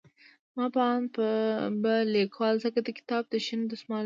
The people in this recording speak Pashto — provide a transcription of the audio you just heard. زما په اند به ليکوال ځکه د کتاب ته شين دسمال نوم